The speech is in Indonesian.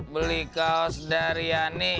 beli kaos dari ani